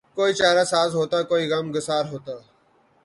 کوئی چارہ ساز ہوتا کوئی غم گسار ہوتا